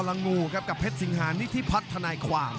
ต่อลังงูกับเพชรสิงหานิทธิพัฒนาความ